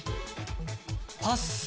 パス。